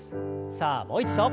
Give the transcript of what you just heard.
さあもう一度。